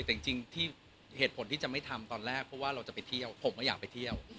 แต่จริงที่เหตุผลที่จะไม่ทำตอนแรกเพราะว่าเราจะไปเที่ยวผมก็อยากไปเที่ยว